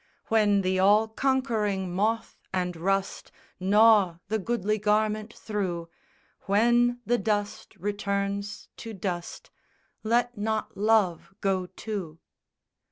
When the all conquering moth and rust Gnaw the goodly garment through, When the dust returns to dust, Let not love go, too.